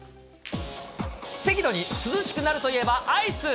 適度に涼しくなるといえばアイス。